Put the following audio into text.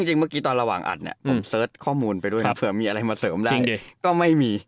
จริงเมื่อกี้ตอนระหว่างอัดเนี่ยผมเสิร์ชข้อมูลไปด้วยนะเผื่อมีอะไรมาเสริมแล้วก็ไม่มี